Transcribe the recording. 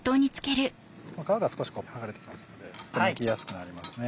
皮が少し剥がれてきますのでむきやすくなりますね。